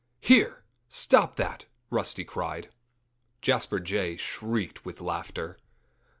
"Here! Stop that!" Rusty cried. Jasper Jay shrieked with laughter.